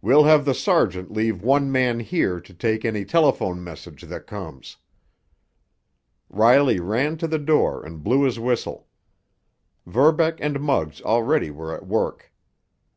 We'll have the sergeant leave one man here to take any telephone message that comes." Riley ran to the door and blew his whistle. Verbeck and Muggs already were at work.